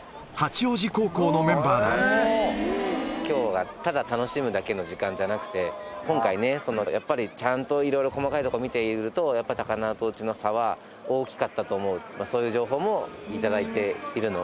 きょうが、ただ楽しむだけの時間じゃなくて、今回、やっぱりちゃんといろいろ、細かいところを見ていると、やっぱ高輪とうちの差は大きかったと思う、そういう情報も頂いているの。